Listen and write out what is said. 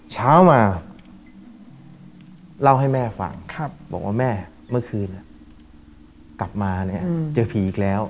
เช้ามาเล่าให้แม่ฟังบอกว่าแม่เมื่อคืนกลับมาเนี่ยเจอผีอีกแล้ว